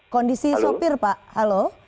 kondisi sopir pak halo